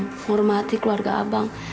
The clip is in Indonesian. menghormati keluarga abang